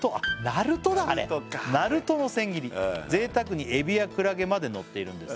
なるとかあれ「ぜいたくにエビやクラゲまでのっているんです」